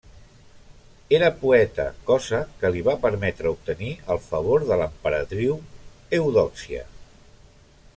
Era poeta, cosa que li va permetre obtenir el favor de l'emperadriu Eudòxia.